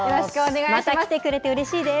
また来てくれてうれしいです。